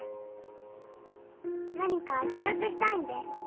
何か協力したいんで。